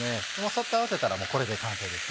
サッと合わせたらこれで完成です。